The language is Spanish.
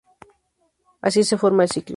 Así se forma el ciclo.